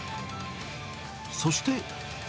そして。